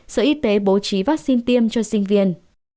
sở y tế bố trí vaccine tiêm cho sinh viên